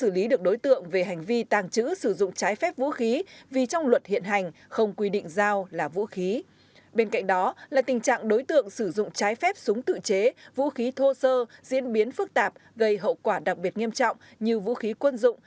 bên cạnh đó là tình trạng đối tượng sử dụng trái phép súng tự chế vũ khí thô sơ diễn biến phức tạp gây hậu quả đặc biệt nghiêm trọng như vũ khí quân dụng